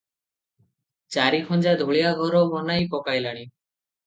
ଚାରି ଖଞ୍ଜା ଧୂଳିଆ ଘର ବନାଇ ପକାଇଲାଣି ।